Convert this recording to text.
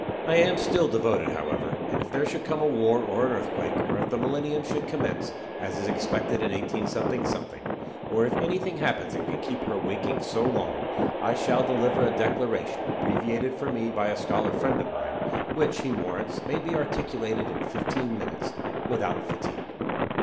I am still devoted, however, and if there should come a war or an earthquake, or if the millennium should commence, as is expected in 18 , or if anything happens that can keep her waking so long, I shall deliver a declaration, abbreviated for me by a scholar friend of mine, which, he warrants, may be articulated in fifteen minutes without fatigue.